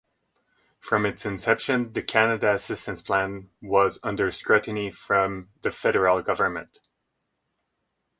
From its inception the Canada Assistance Plan was under scrutiny from the federal government.